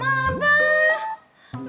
masa nggak boleh sih